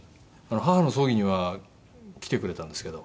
母の葬儀には来てくれたんですけど。